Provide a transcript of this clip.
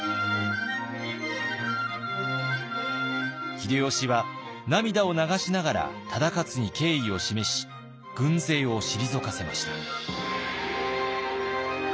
秀吉は涙を流しながら忠勝に敬意を示し軍勢を退かせました。